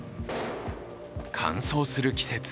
乾燥する季節。